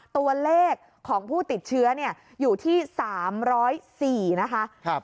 ตัวเลขของผู้ติดเชื้ออยู่ที่๓๐๔นะคะ